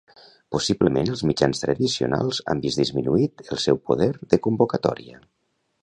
Possiblement els mitjans tradicionals han vist disminuït el seu poder de convocatòria.